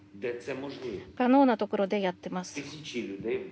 可能なところでやっています。